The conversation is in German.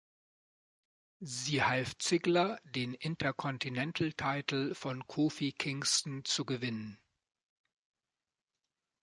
Sie half Ziggler, den Intercontinental-Title von Kofi Kingston zu gewinnen.